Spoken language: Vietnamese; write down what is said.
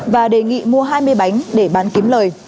và đề nghị mua hai mươi bánh để bán kiếm lời